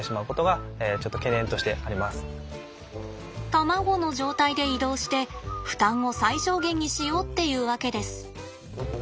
卵の状態で移動して負担を最小限にしようっていうわけです。